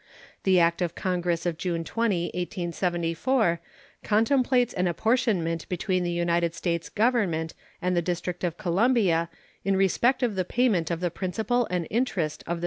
The act of Congress of June 20, 1874, contemplates an apportionment between the United States Government and the District of Columbia in respect of the payment of the principal and interest of the 3.